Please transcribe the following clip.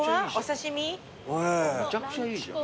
めちゃくちゃいいじゃん。